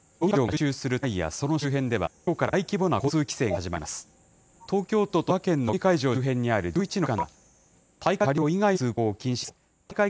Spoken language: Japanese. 競技会場が集中する都内やその周辺では、きょうから大規模な交通規制が始まります。